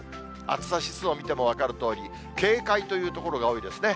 暑さ指数を見ても分かるとおり、警戒という所が多いですね。